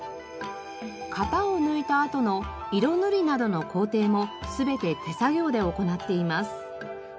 型を抜いたあとの色塗りなどの工程も全て手作業で行っています。